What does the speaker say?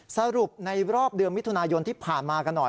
สรุปในรอบเดือนมิถุนายนที่ผ่านมากันหน่อย